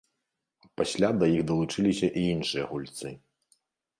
Пасля да іх далучыліся і іншыя гульцы.